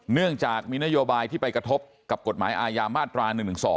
เนื่องจากมีนโยบายที่ไปกระทบกับกฎหมายอาญามาตรา๑๑๒